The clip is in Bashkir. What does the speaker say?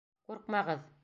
Ҡурҡмағыҙ!